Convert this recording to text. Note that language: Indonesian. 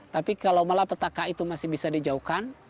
tapi kalau malapetaka itu masih bisa dijauhkan